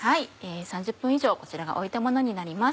３０分以上こちらがおいたものになります。